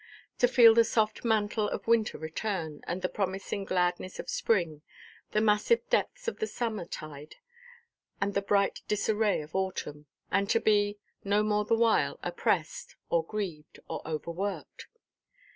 To feel the soft mantle of winter return, and the promising gladness of spring, the massive depths of the summer–tide, and the bright disarray of autumn. And to be, no more the while, oppressed, or grieved, or overworked.